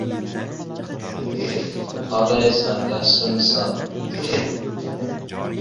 va ko‘nglimizda hammamiz go‘zal va soz umr kechiramiz, degan umid chechagini yashnatadi.